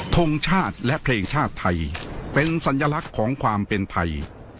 ทงชาติและเพลงชาติไทยเป็นสัญลักษณ์ของความเป็นไทย